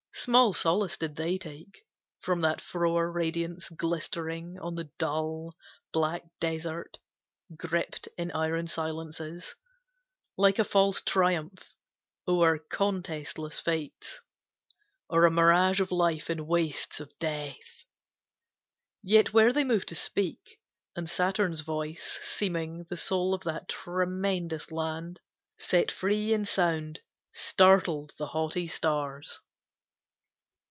Small solace did they take From that frore radiance glistering on the dull Black desert gripped in iron silences, Like a false triumph o'er contestless fates, Or a mirage of life in wastes of Death. Yet were they moved to speak, and Saturn's voice Seeming the soul of that tremendous land Set free in sound, startled the haughty stars.